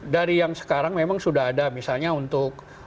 dari yang sekarang memang sudah ada misalnya untuk